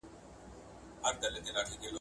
په زړه کي به د نورو لپاره ځای پیدا کوئ.